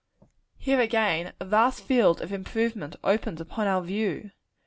Here, again, a vast field of improvement opens upon our view.